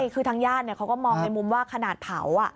คือทางญาติเขาก็มองในมุมว่าขนาดเผา